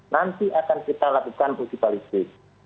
nanti akan kita lakukan uji balistik